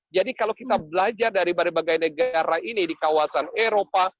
jadi kalau kita belajar dari berbagai negara ini di kawasan eropa